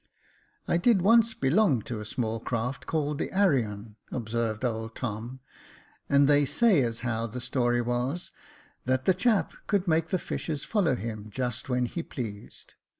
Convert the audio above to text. *' I did once belong to a small craft, called the Arion," observed old Tom, " and they say as how the story was, that that chap could make the fish follow him just when he pleased.